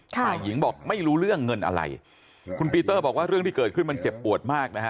ฝ่ายหญิงบอกไม่รู้เรื่องเงินอะไรคุณปีเตอร์บอกว่าเรื่องที่เกิดขึ้นมันเจ็บปวดมากนะฮะ